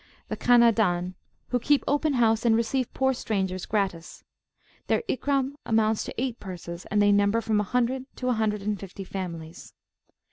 The Khanahdan, who keep open house and receive poor strangers gratis. Their Ikram amounts to eight purses, and they number from a hundred to a hundred and fifty families.